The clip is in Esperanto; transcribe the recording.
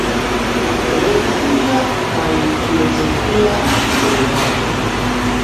Religia kaj filozofia enhavo.